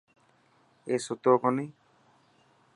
اي ستو ڪوني.